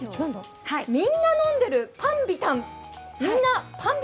みんなのんでるパンビタン。